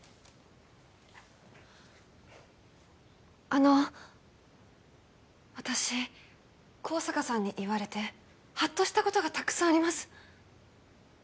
あの私香坂さんに言われてハッとしたことがたくさんあります